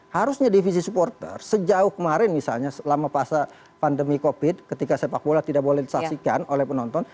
harusnya divisi supporter sejauh kemarin misalnya selama masa pandemi covid ketika sepak bola tidak boleh disaksikan oleh penonton